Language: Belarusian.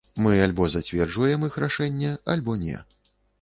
Мы альбо зацверджваем іх рашэнне, альбо не.